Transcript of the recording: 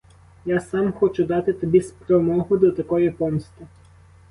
Я сам хочу дати тобі спромогу до такої помсти.